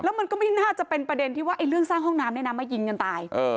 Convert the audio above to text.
มันก็ไม่น่าจะเป็นประเด็นที่ว่าเรื่องสร้างห้องน้ำเนี่ยนะมายิงกันตาย